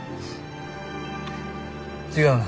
違うな。